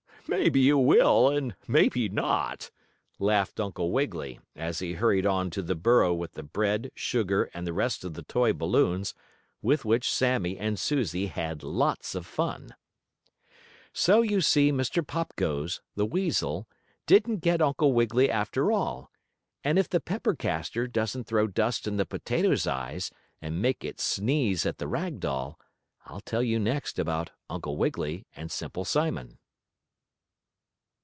"Maybe you will, and maybe not!" laughed Uncle Wiggily, as he hurried on to the burrow with the bread, sugar and the rest of the toy balloons, with which Sammie and Susie had lots of fun. So you see Mr. Pop Goes, the weasel, didn't get Uncle Wiggily after all, and if the pepper caster doesn't throw dust in the potato's eyes, and make it sneeze at the rag doll, I'll tell you next about Uncle Wiggily and Simple Simon.